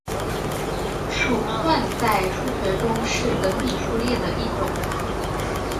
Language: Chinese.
鼠算在数学中是等比数列的一种。